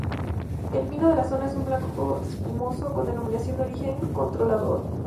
El vino de la zona es un blanco espumoso con Denominación de Origen Controlada.